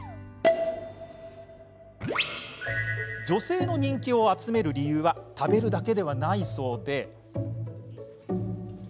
女性の人気を集める理由は食べるだけではないそうで。